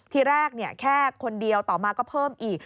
ทีแรกแค่คนเดียวต่อมาก็เพิ่มอีก